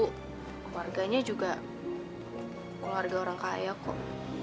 keluarganya juga keluarga orang kaya kok